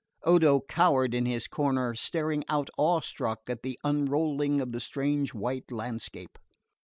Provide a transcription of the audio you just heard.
Odo cowered in his corner, staring out awestruck at the unrolling of the strange white landscape.